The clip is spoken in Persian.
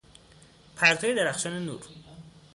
پرتوی درخشان نور